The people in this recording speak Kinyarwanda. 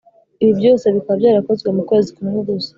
ibi byose bikaba byarakozwe mu kwezi kumwe gusa.